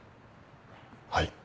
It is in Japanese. はい。